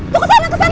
tuh kesana kesana